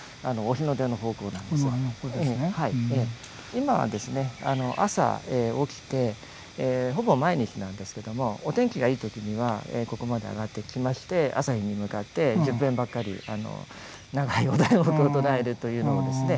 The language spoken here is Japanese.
今はですね朝起きてほぼ毎日なんですけどもお天気がいい時にはここまで上がってきまして朝日に向かって１０分ばかり長いお題目を唱えるというのをですね